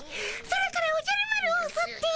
空からおじゃる丸をおそって。